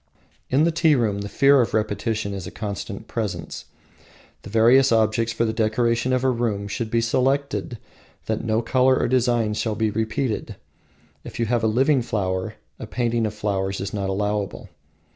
In the tea room the fear of repetition is a constant presence. The various objects for the decoration of a room should be so selected that no colour or design shall be repeated. If you have a living flower, a painting of flowers is not allowable.